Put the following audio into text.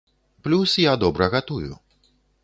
Плюс я добра гатую.